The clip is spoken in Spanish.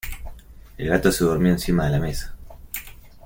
El gato se durmió encima de la mesa.